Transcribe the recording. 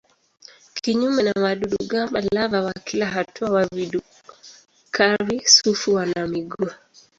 Kinyume na wadudu-gamba lava wa kila hatua wa vidukari-sufu wana miguu.